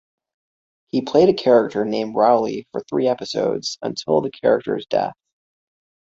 He played a character named Rauli for three episodes, until the character's death.